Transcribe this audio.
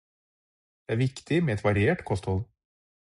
Det er viktig med et variert kosthold.